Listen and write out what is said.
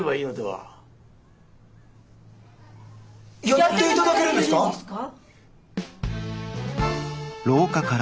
やっていただけるんですか？